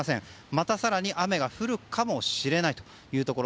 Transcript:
また更に雨が降るかもしれないというところ。